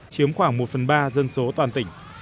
chiếm khoảng một phần ba dân số toàn tỉnh